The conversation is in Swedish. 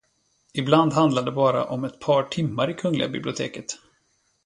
Ibland handlar det bara om ett par timmar i Kungliga biblioteket.